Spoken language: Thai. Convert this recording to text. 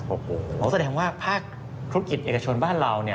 โอ้โหแสดงว่าภาคธุรกิจเอกชนบ้านเรา